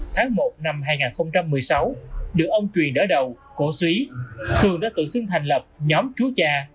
tháng một năm hai nghìn một mươi sáu đứa ông truyền đỡ đầu cổ suý thường đã tự xưng thành lập nhóm chú cha